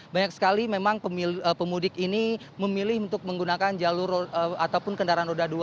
banyak sekali memang pemudik ini memilih untuk menggunakan jalur ataupun kendaraan roda dua